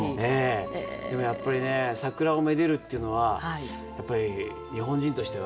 でもやっぱりね桜をめでるっていうのはやっぱり日本人としては基本中の基本で。